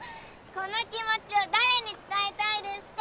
この気持ちを誰に伝えたいですか？